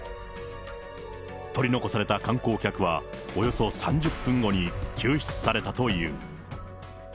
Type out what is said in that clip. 取り残された観光客は、およそ３０分後に救出されたという。